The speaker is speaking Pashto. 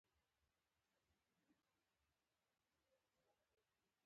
يره چې ټوټه ټوټه ام شم.